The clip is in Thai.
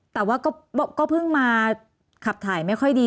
แต่ว่าก็เพิ่งมาขับถ่ายไม่ค่อยดี